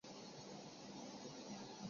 祖父张旺。